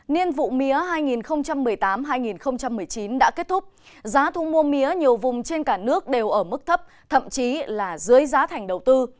nhiên vụ mía hai nghìn một mươi tám hai nghìn một mươi chín đã kết thúc giá thu mua mía nhiều vùng trên cả nước đều ở mức thấp thậm chí là dưới giá thành đầu tư